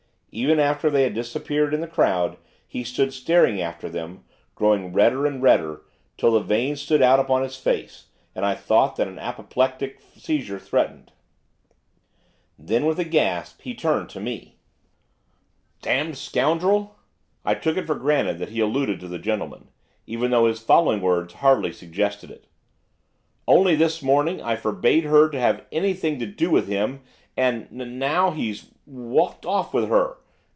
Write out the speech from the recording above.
Even after they had disappeared in the crowd he stood staring after them, growing redder and redder, till the veins stood out upon his face, and I thought that an apoplectic seizure threatened. Then, with a gasp, he turned to me. 'Damned scoundrel!' I took it for granted that he alluded to the gentleman, even though his following words hardly suggested it. 'Only this morning I forbade her to have anything to do with him, and n now he's w walked off with her!